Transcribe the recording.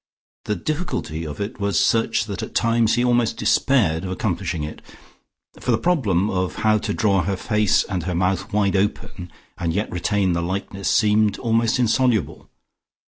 The difficulty of it was such that at times he almost despaired of accomplishing it, for the problem of how to draw her face and her mouth wide open and yet retain the likeness seemed almost insoluble.